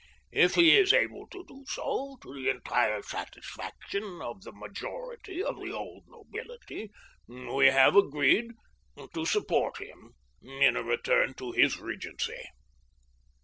If he is able to do so to the entire satisfaction of a majority of the old nobility, we have agreed to support him in a return to his regency."